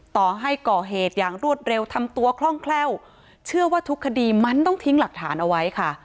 ต่อให้ก่อเหตุอย่างรวดเร็วทำตัวคล่องแคล่วเชื่อว่าทุกคดีมันต้องทิ้งหลักฐานเอาไว้ค่ะ